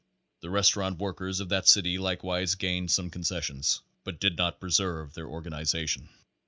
The restaurant workers of that city likewise gained some concessions, but did not preserve their organiza tion.